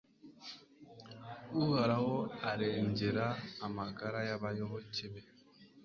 uhoraho arengera amagara y'abayoboke be